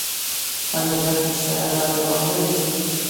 آیا دا کیسه لا دوام نلري؟